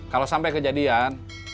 kalau sampai kejadian